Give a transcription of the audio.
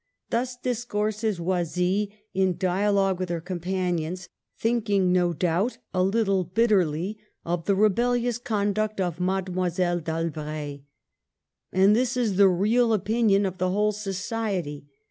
Thus discourses Oisille, in dialogue with her companions, thinking, no doubt, a httle bit terly of the rebellious conduct of Mademoiselle d'Albret. And this is the real opinion of the whole society.